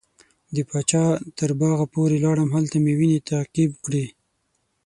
د پاچا تر باغه پورې لاړم هلته مې وینې تعقیب کړې.